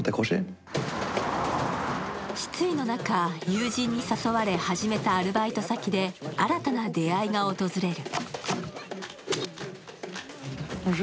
失意の中、友人に誘われ始めたアルバイト先で新たな出会いが訪れる。